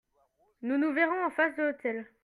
Nous nous verrons en face de l'hôtel.